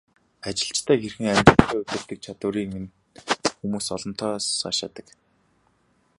Ажилчдаа хэрхэн амжилттай удирддаг чадварыг минь хүмүүс олонтаа сайшаадаг.